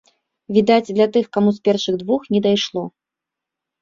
Відаць, для тых, каму з першых двух не дайшло.